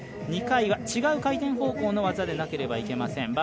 ２回は違う回転方向の技でなければいけません。